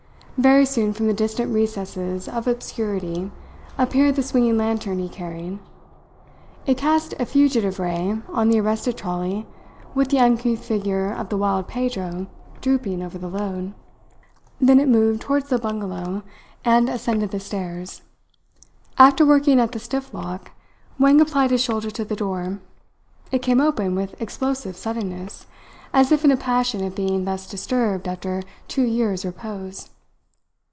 Very soon from the distant recesses of obscurity appeared the swinging lantern he carried. It cast a fugitive ray on the arrested trolley with the uncouth figure of the wild Pedro drooping over the load; then it moved towards the bungalow and ascended the stairs. After working at the stiff lock, Wang applied his shoulder to the door. It came open with explosive suddenness, as if in a passion at being thus disturbed after two years' repose.